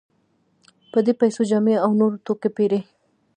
په دې پیسو جامې او نور توکي پېري.